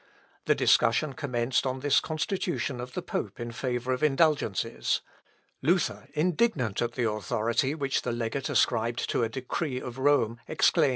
The discussion commenced on this constitution of the pope in favour of indulgences. Luther, indignant at the authority which the legate ascribed to a decree of Rome, exclaimed: Luth.